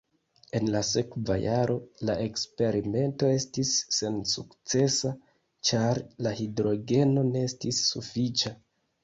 En la sekva jaro la eksperimento estis sensukcesa, ĉar la hidrogeno ne estis sufiĉa.